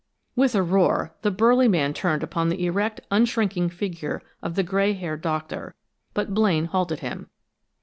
With a roar, the burly man turned upon the erect, unshrinking figure of the gray haired doctor, but Blaine halted him.